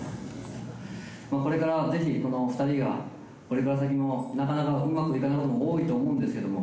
これから是非この２人がこれから先もなかなかうまくいかない事も多いと思うんですけども。